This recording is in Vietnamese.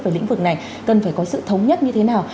về lĩnh vực này cần phải có sự thống nhất như thế nào